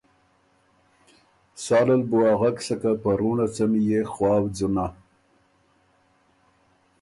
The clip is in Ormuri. سالل بُو اغک سکه په رُوںړه څمی يې خواؤ ځُونۀ